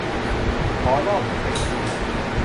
ขอรอบพิเศษ ที